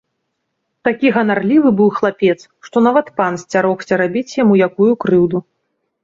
Такі ганарлівы быў хлапец, што нават пан сцярогся рабіць яму якую крыўду.